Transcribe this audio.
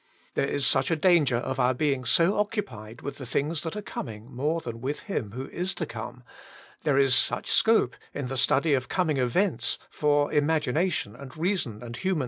There is such a danger of our being so occupied with the things that are coming more than vrith Him who is to come; there is such scope in the study of coming events for imagination and reason and human.